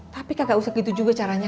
tapi kagak usah gitu juga caranya